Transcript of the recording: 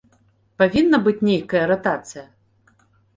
Павінна быць нейкая ратацыя?